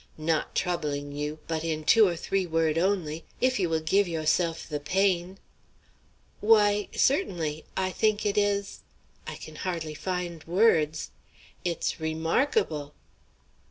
Not t'oubling you, but, in two or three word' only if you will give yo'self the pain" "Why, certainly; I think it is I can hardly find words it's remarkable."